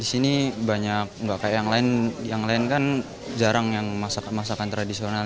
di sini banyak nggak kayak yang lain yang lain kan jarang yang masakan masakan tradisional